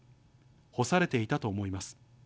干されていたと思います。